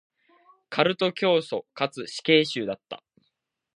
カルト教祖かつ死刑囚だった。